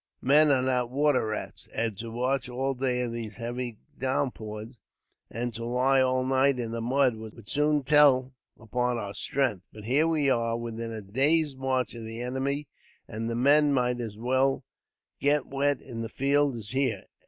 Men are not water rats, and to march all day in these heavy downpours, and to lie all night in the mud, would soon tell upon our strength. But here we are, within a day's march of the enemy, and the men might as well get wet in the field as here.